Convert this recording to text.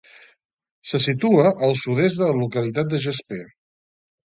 Se situa al sud-est de la localitat de Jasper.